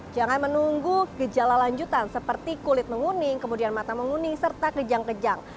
jangan menunggu gejala lanjutan seperti kulit menguning kemudian mata menguning serta kejang kejang